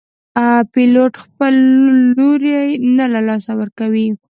پیلوټ خپل لوری نه له لاسه ورکوي.